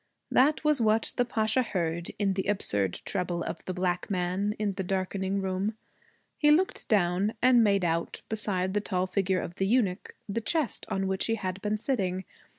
That was what the Pasha heard, in the absurd treble of the black man, in the darkening room. He looked down and made out, beside the tall figure of the eunuch, the chest on which he had been sitting.